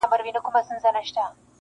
• و باطل ته یې ترک کړئ عدالت دی..